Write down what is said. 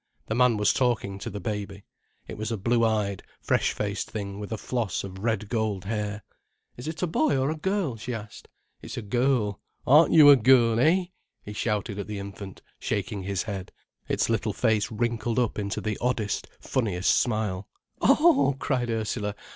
The man was talking to the baby. It was a blue eyed, fresh faced thing with floss of red gold hair. "Is it a boy or a girl?" she asked. "It's a girl—aren't you a girl, eh?" he shouted at the infant, shaking his head. Its little face wrinkled up into the oddest, funniest smile. "Oh!" cried Ursula.